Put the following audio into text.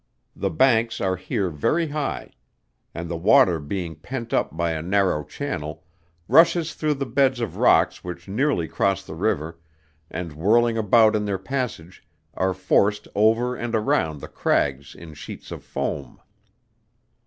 The banks are here every high, and the water being pent up by a narrow channel, rushes through the beds of rocks which nearly cross the river, and whirling about in their passage are forced over and around the crags in sheets of foam.